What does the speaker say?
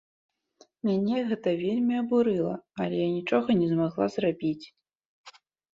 Мяне гэта вельмі абурыла, але я нічога не змагла зрабіць.